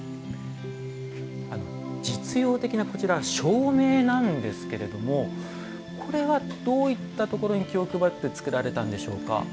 実用的な照明なんですけれどもこれは、どういったところに気を配って作られたんでしょうか？